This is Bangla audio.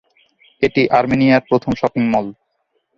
এটি আর্মেনিয়ার প্রথম শপিং মল।